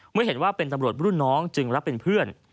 เมื่อเห็นว่าเป็นตำรวจรุ่นน้องจึงรับเป็นเพื่อน